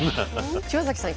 島崎さん